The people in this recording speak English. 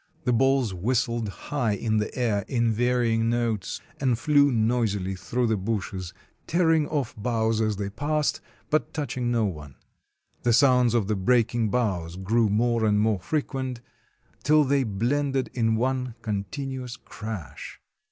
The balls whistled high in the air in varying notes, and flew noisily through the bushes, tearing off boughs as they passed, but touch ing no one. The sounds of the breaking boughs grew more and more frequent, till they blended in one con tinuous crash.